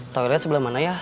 toilet sebelah mana ya